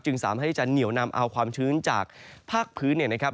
สามารถที่จะเหนียวนำเอาความชื้นจากภาคพื้นเนี่ยนะครับ